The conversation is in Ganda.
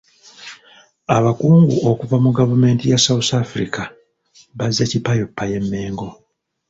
Abakungu okuva mu gavumenti ya South Africa bazze kipayoppayo e Mengo.